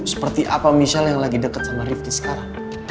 seperti apa michelle yang lagi deket sama rifki sekarang